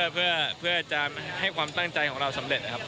เพื่อจะให้ความตั้งใจของเราสำเร็จครับ